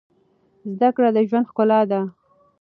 زده کړه د ژوند ښکلا ده.